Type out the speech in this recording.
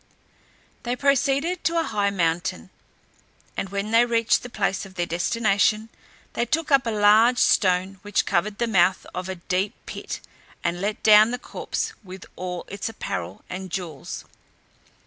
They proceeded to a high mountain, and when they had reached the place of their destination, they took up a large stone, which covered the mouth of a deep pit, and let down the corpse with all its apparel and jewels.